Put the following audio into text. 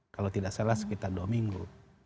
kalau tidak salah sekitar dua minggu